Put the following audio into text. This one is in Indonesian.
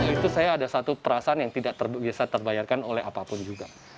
itu saya ada satu perasaan yang tidak bisa terbayarkan oleh apapun juga